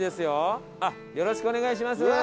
よろしくお願いします。